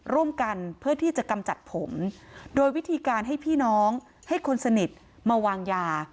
ร่วมกันเพื่อที่จะกำจัดผมโดยวิธีการให้พี่น้องให้คนสนิทมาวางยา